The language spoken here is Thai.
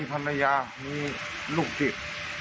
มีธรรมดามีลูกจิต